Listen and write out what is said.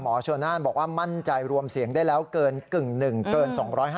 โชน่านบอกว่ามั่นใจรวมเสียงได้แล้วเกินกึ่งหนึ่งเกิน๒๕๐